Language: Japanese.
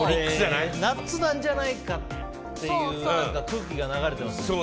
ナッツなんじゃないかっていう空気が流れてますね。